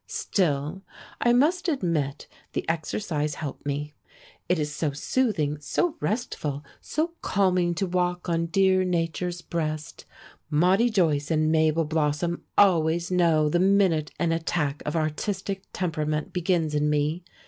Still, I must admit the exercise helped me. It is so soothing, so restful, so calming to walk on dear nature's breast. Maudie Joyce and Mabel Blossom always know the minute an attack of artistic temperament begins in me.